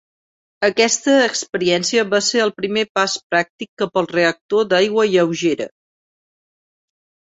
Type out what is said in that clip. Aquesta experiència va ser el primer pas pràctic cap al reactor d'aigua lleugera.